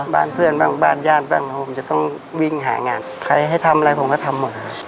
บ้านเพื่อนบ้างบ้านญาติบ้างผมจะต้องวิ่งหางานใครให้ทำอะไรผมก็ทำมาหา